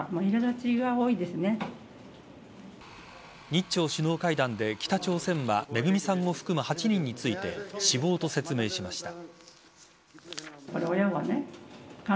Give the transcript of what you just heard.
日朝首脳会談で北朝鮮はめぐみさんを含む８人について死亡と説明しました。